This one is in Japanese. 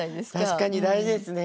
確かに大事ですね。